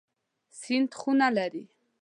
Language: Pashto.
سیند خوند لري.